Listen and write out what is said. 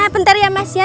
bentar ya mas ya